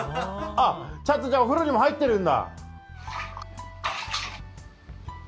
ちゃんとじゃあお風呂にも入ってるんだ。